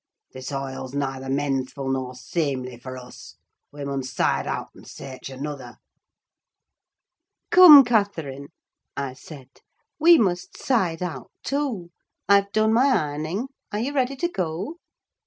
This hoile's neither mensful nor seemly for us: we mun side out and seearch another." "Come, Catherine," I said, "we must 'side out' too: I've done my ironing. Are you ready to go?"